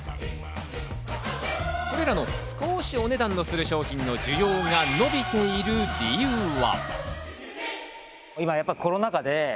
これらの少しお値段のする商品の需要が伸びている理由は？